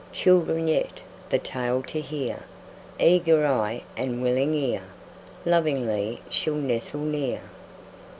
Children yet, the tale to hear, Eager eye and willing ear, Lovingly shall nestle near.